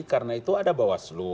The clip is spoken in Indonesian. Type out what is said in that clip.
karena itu ada bawaslu